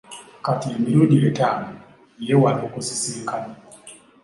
Kati emirundi etaano, yeewala okunsisinkana.